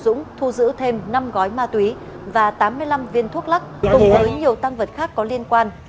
dũng thu giữ thêm năm gói ma túy và tám mươi năm viên thuốc lắc cùng với nhiều tăng vật khác có liên quan